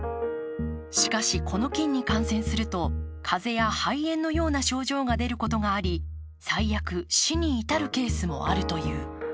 しかし、この菌に感染すると、風邪や肺炎のような症状が出ることがあり最悪、死に至るケースもあるという。